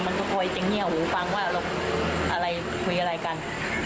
มันก็โคยเจ๋งเงี้ยหูฟังว่าเราคุยอะไรกัน